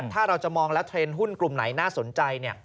ถ้าเราจะมองแล้วเทรนด์หุ้นกลุ่มไหนน่าสนใจเนี่ย